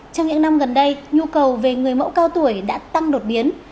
trong những năm gần đây nhu cầu về người mẫu cao tuổi đã tăng đột biến